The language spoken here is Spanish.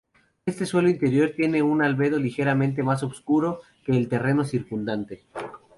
Este suelo interior tiene un albedo ligeramente más oscuro que el terreno circundante.